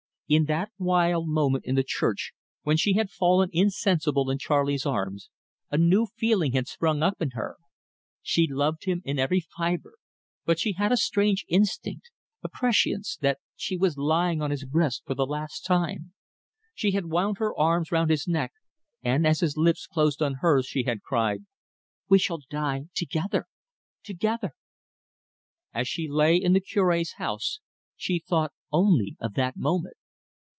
In that wild moment in the church when she had fallen insensible in Charley's arms, a new feeling had sprung up in her. She loved him in every fibre, but she had a strange instinct, a prescience, that she was lying on his breast for the last time. She had wound her arms round his neck, and, as his lips closed on hers, she had cried: "We shall die together together." As she lay in the Cure's house, she thought only of that moment.